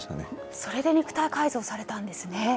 それで肉体改造されたんですね。